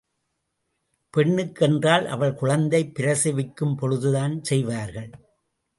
பெண்ணுக்கு என்றால் அவள் குழந்தை பிரசவிக்கும் பொழுதுதான் செய்வார்கள்.